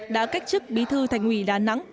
đã cách chức bí thư thành ủy đà nẵng